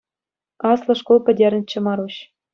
Аслӑ шкул пӗтернӗччӗ Маруҫ.